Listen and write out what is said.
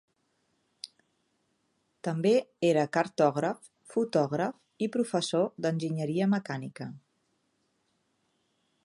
També era cartògraf, fotògraf i professor d'enginyeria mecànica.